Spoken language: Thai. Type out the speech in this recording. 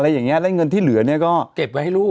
อะไรอย่างเงี้ยแล้วเงินที่เหลือเนี้ยก็เก็บไว้ให้ลูก